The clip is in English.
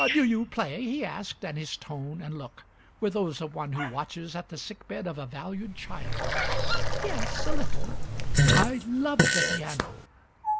"Do you play?" he asked, and his tone and look were those of one who watches at the sick bed of a valued child. "Yes, a little." "I love the piano."